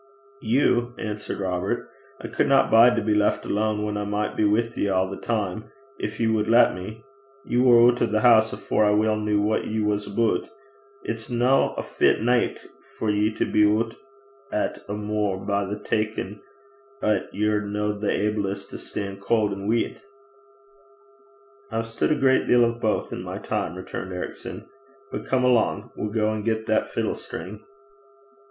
'You,' answered Robert. 'I cudna bide to be left my lane whan I micht be wi' ye a' the time gin ye wad lat me. Ye war oot o' the hoose afore I weel kent what ye was aboot. It's no a fit nicht for ye to be oot at a', mair by token 'at ye're no the ablest to stan' cauld an' weet.' 'I've stood a great deal of both in my time,' returned Ericson; 'but come along. We'll go and get that fiddle string.'